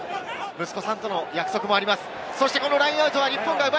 息子さんとの約束もあります、レメキ。